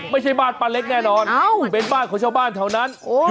ไม่ใช่บ้านป้าเล็กแน่นอนเป็นบ้านของชาวบ้านเท่านั้น